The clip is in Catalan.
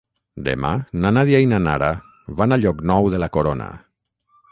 Demà na Nàdia i na Nara van a Llocnou de la Corona.